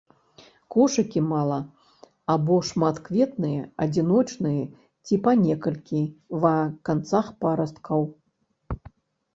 Кошыкі мала- або шматкветныя, адзіночныя ці па некалькі ва канцах парасткаў.